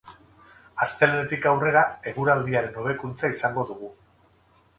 Astelehenetik aurrera eguraldiaren hobekuntza izango dugu.